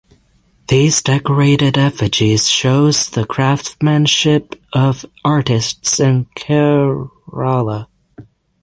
These decorated effigies shows the craftsmanship of artists in Kerala.